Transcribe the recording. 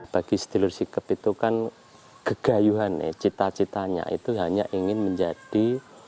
bagi sedulur sikep itu kan kegayuhan cita citanya itu hanya ingin menjadi